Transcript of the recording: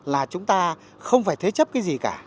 mà chúng ta không phải thế chấp cái gì